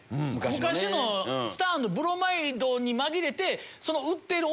昔のスターのブロマイドに紛れて。